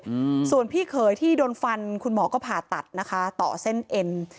อืมส่วนพี่เขยที่โดนฟันคุณหมอก็ผ่าตัดนะคะต่อเส้นเอ็น